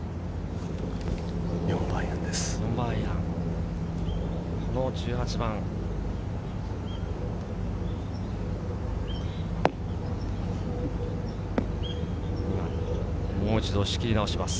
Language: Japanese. ４番アイアンです。